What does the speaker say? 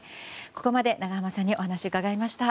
ここまで永濱さんにお話を伺いました。